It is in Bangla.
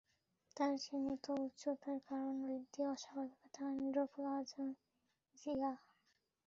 তার সীমিত উচ্চতার কারণ বৃদ্ধি অস্বাভাবিকতা অ্যাকোন্ড্রোপ্লাজিয়া।